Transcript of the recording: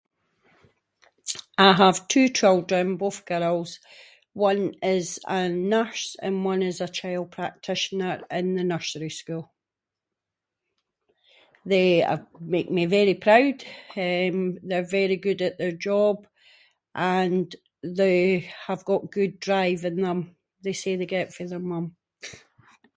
I have two children, both girls, one is a nurse, and one is a child practitioner in the nursery school. They make me very proud, eh they’re very good at their job, and they have got good drive in them, they say the get it fae their mum.